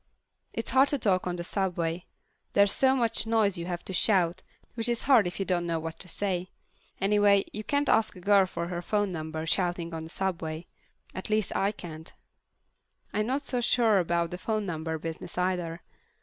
It's hard to talk on the subway. There's so much noise you have to shout, which is hard if you don't know what to say. Anyway, you can't ask a girl for her phone number shouting on the subway. At least I can't. I'm not so sure about the phone number business either.